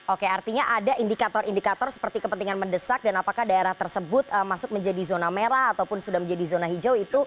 oke artinya ada indikator indikator seperti kepentingan mendesak dan apakah daerah tersebut masuk menjadi zona merah ataupun sudah menjadi zona hijau itu